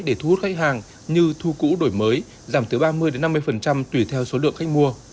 để thu hút khách hàng như thu cũ đổi mới giảm từ ba mươi năm mươi tùy theo số lượng khách mua